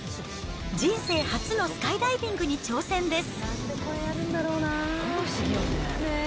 人生初のスカイダイビングに挑戦です。